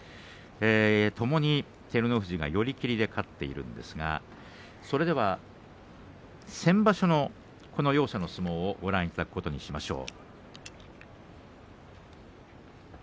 ともに照ノ富士が寄り切りで勝っているんですが先場所のこの両者の相撲ご覧いただくことにしましょう。